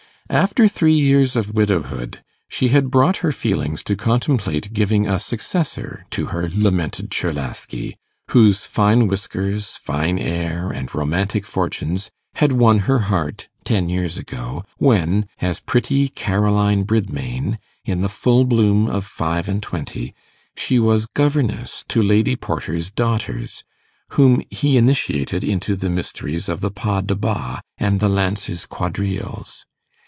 After three years of widowhood, she had brought her feelings to contemplate giving a successor to her lamented Czerlaski, whose fine whiskers, fine air, and romantic fortunes had won her heart ten years ago, when, as pretty Caroline Bridmain, in the full bloom of five and twenty, she was governess to Lady Porter's daughters, whom he initiated into the mysteries of the pas de basque, and the lancers' quadrilles.